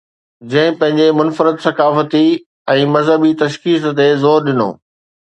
جنهن پنهنجي منفرد ثقافتي ۽ مذهبي تشخص تي زور ڏنو.